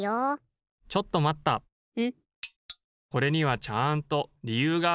・これにはちゃんとりゆうがあるんです。